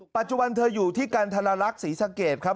ปัจจุบันเธออยู่ที่กันทรลักษณ์ศรีสะเกดครับ